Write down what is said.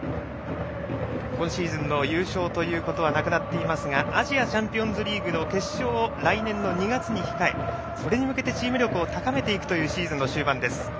今シーズンの優勝ということはなくなっていますがアジアチャンピオンズリーグの決勝を来年の２月に控えこれに向けてチーム力を高めていくというチームの終盤です。